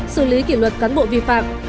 xử lý kỷ luật cán bộ vi phạm